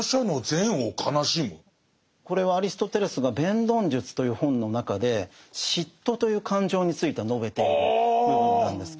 これはアリストテレスが「弁論術」という本の中で嫉妬という感情について述べている部分なんです。